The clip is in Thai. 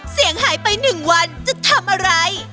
เสียงหายไป๑วันจะทำอะไร